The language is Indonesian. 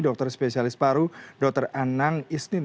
dr spesialis paru dr anang isnin